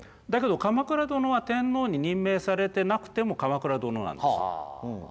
だけど鎌倉殿は天皇に任命されてなくても鎌倉殿なんです。